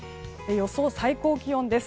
予想最高気温です。